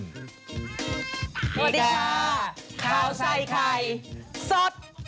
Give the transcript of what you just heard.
สนับสนุนโดยดีที่สุดคือการให้ไม่สิ้นสุด